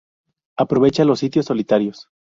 Aprovecha los sitios solitarios.